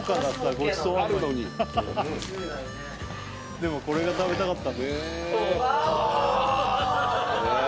でもこれが食べたかった。